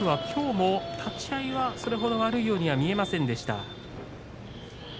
きょうも立ち合いはそれほど悪くは見えませんでした。